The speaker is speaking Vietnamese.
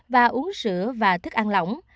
và uống sữa và thức ăn lỏng